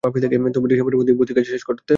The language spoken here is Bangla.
তবে ডিসেম্বরের মধ্যেই ভর্তির কাজ শেষ করতে হবে।